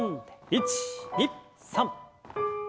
１２３。